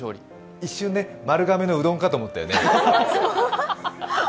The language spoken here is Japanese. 一瞬ね、丸亀のうどんかと思ったよね。